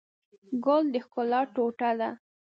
ګل د ښکلا ټوټه ده.